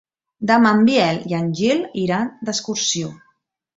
Demà en Biel i en Gil iran d'excursió.